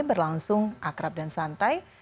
berlangsung akrab dan santai